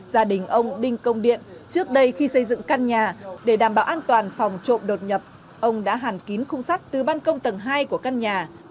gia đình ông đinh công điện trước đây khi xây dựng căn nhà để đảm bảo an toàn phòng trộm đột nhập ông đã hàn kín khung sắt từ ban công tầng hai của căn nhà